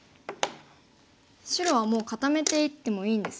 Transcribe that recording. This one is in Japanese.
白はもう固めていってもいいんですね。